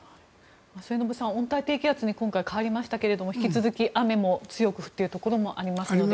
末延さん温帯低気圧に今回変わりましたけども引き続き雨も強く降っているところもありましたので。